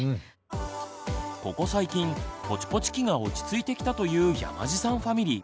ここ最近ぽちぽち期が落ち着いてきたという山地さんファミリー。